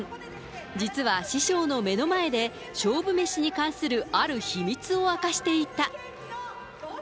実は、師匠の目の前で、勝負メシに関するある秘密を明かしていた。